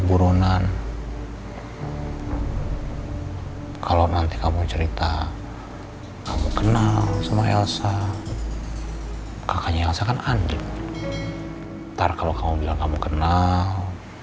biar kalau kamu bilang kamu kenal